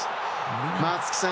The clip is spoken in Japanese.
松木さん